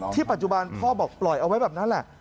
ปัจจุบันพ่อบอกปล่อยเอาไว้แบบนั้นแหละ